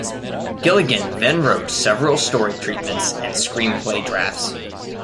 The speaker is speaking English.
Gilligan then wrote several story treatments and screenplay drafts.